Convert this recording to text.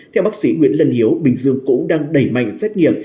theo bác sĩ nguyễn lân hiếu bình dương cũng đang đẩy mạnh xét nghiệm